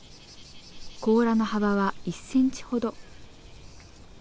甲羅の幅は１センチほど。